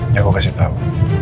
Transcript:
yang aku kasih tau